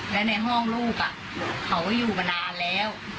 และในห้องลูกเขาอยู่มานานแล้ว